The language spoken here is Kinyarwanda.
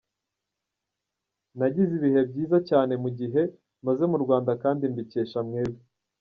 Nagize ibihe byiza cyane mu gihe maze mu Rwanda kandi mbikesha mwebwe.